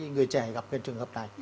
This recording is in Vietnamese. người trẻ gặp cái trường hợp này